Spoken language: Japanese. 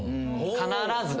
必ず。